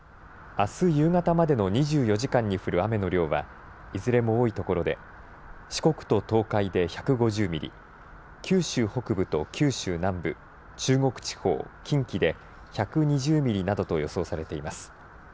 あす夕方までの２４時間に降る雨の量はいずれも多い所で四国と東海で１５０ミリ九州北部と九州南部中国地方、近畿で１２０ミリなどと予想されています。